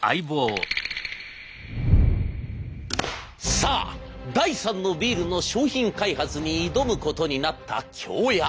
さあ第三のビールの商品開発に挑むことになった京谷。